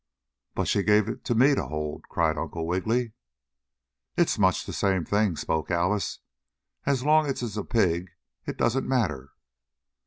"But she gave it to ME to hold!" cried Uncle Wiggily. "It's much the same thing," spoke Alice. "As long as it's a pig it doesn't matter."